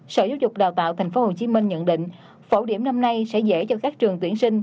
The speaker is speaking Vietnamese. sở giáo dục đào tạo tp hcm nhận định phổ điểm năm nay sẽ dễ cho các trường tuyển sinh